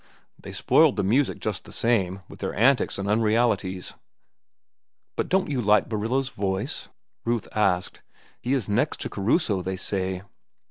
"They spoiled the music just the same, with their antics and unrealities." "But don't you like Barillo's voice?" Ruth asked. "He is next to Caruso, they say."